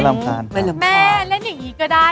ไม่ลำคาญแม่เล่นอย่างนี้ก็ได้อ่ะ